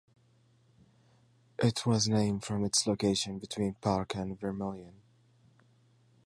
It was named from its location between Parker and Vermillion.